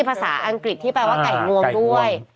ภาษาอังกฤษที่แปลว่าไก่งวงด้วย